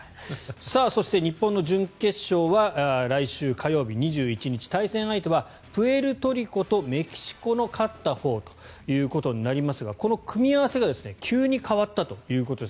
そして日本の準決勝は来週火曜日２１日対戦相手はプエルトリコとメキシコの勝ったほうとなりますがこの組み合わせが急に変わったということです。